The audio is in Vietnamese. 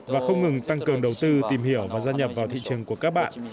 và không ngừng tăng cường đầu tư tìm hiểu và gia nhập vào thị trường của các bạn